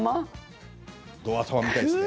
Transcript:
ど頭、見たいですね。